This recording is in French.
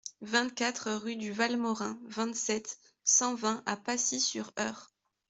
vingt-quatre rue du Val Morin, vingt-sept, cent vingt à Pacy-sur-Eure